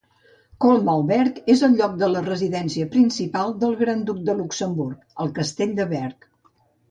Colmar-Berg és el lloc de la residència principal del Gran Duc de Luxemburg, el castell de Berg.